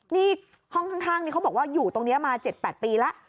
นี่ห้องข้างนี้เขาบอกว่าอยู่ตรงนี้มา๗๘ปีแล้ว